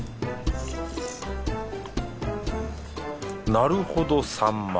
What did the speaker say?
なるほどサンマ。